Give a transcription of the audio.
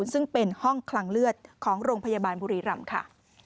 ซึ่งเป็นห้องคลังเลือดของโรงพยาบาลบุรีรำค่ะ